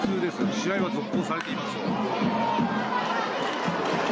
試合は続行されています。